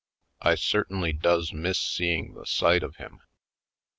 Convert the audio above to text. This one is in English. I certainly does miss seeing the sight of him.